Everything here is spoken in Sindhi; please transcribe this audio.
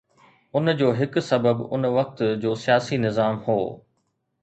ان جو هڪ سبب ان وقت جو سياسي نظام هو.